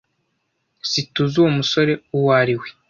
SiTUZI uwo musore uwo ari we.